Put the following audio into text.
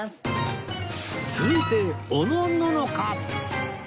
続いておのののか！